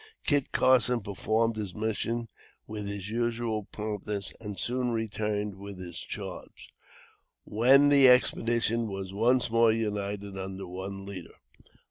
Kit Carson performed his mission with his usual promptness and soon returned with his charge, when the expedition was once more united under one leader.